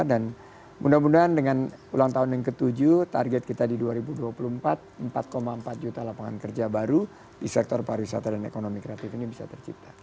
dan mudah mudahan dengan ulang tahun yang ke tujuh target kita di dua ribu dua puluh empat empat empat juta lapangan kerja baru di sektor pariwisata dan ekonomi kreatif ini bisa tercipta